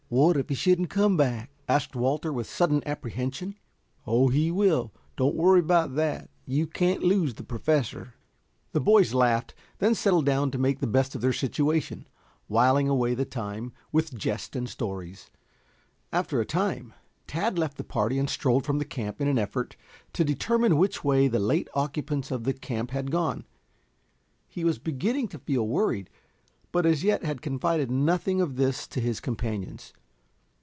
"What if he shouldn't come back?" asked Walter, with sudden apprehension. "Oh, he will. Don't worry about that. You can't lose the Professor." The boys laughed, then settled down to make the best of their situation, whiling away the time with jest and stories. After a time, Tad left the party and strolled from the camp in an effort to determine which way the late occupants of the camp had gone. He was beginning to feel worried, but as yet had confided nothing of this to his companions.